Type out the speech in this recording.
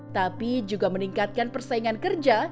tapi juga meningkatkan persaingan kerja